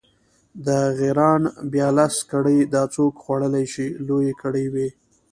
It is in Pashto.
د غیراڼ بیا لس کړۍ، دا څوک خوړلی شي، لویې کړۍ وې.